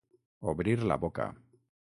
Obrir la boca.